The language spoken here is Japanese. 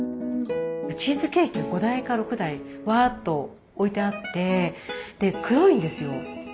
チーズケーキ５台か６台わっと置いてあってで黒いんですよ。